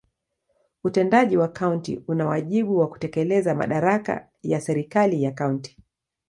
Utendaji wa kaunti una wajibu wa kutekeleza madaraka ya serikali ya kaunti.